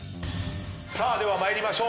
さあでは参りましょう。